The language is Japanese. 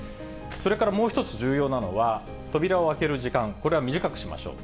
それからもう一つ重要なのは、扉を開ける時間、これは短くしましょう。